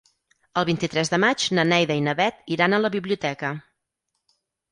El vint-i-tres de maig na Neida i na Bet iran a la biblioteca.